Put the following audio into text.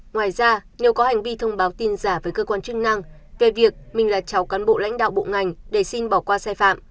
ngoài ra nếu có hành vi thông báo tin giả với cơ quan chức năng về việc mình là cháu cán bộ lãnh đạo bộ ngành để xin bỏ qua sai phạm